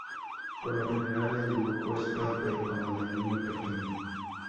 Por lo general el dibujo es torpe, como de niño pequeño.